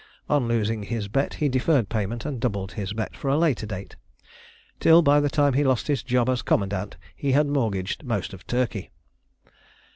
On losing his bet he deferred payment and doubled his bet for a later date, till by the time he lost his job as commandant he had mortgaged most of Turkey.